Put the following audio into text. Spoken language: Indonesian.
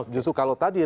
justru kalau tadi rizal